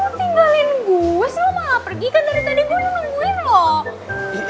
kok lo tinggalin gue sih lo malah pergi kan dari tadi gue yang nungguin lo